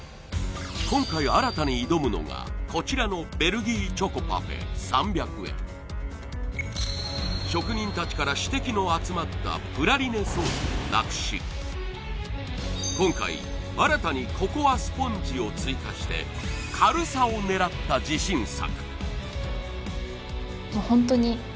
今回新たに挑むのがこちらの職人達から指摘の集まったプラリネソースをなくし今回新たにココアスポンジを追加して軽さを狙った自信作！